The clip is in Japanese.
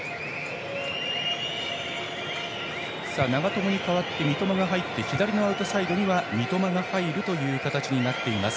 長友に代わって三笘が入って左アウトサイドに三笘が入るという形になってます。